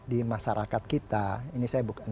di masyarakat kita ini saya bukan